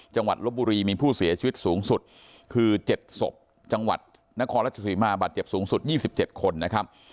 ลบบุรีมีผู้เสียชีวิตสูงสุดคือ๗ศพจังหวัดนครราชศรีมาบาดเจ็บสูงสุด๒๗คนนะครับ